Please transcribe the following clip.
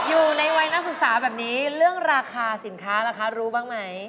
อยู่ในวัยนักศึกษาแบบนี้เรื่องราคาสินค้าราคารู้บ้างไหม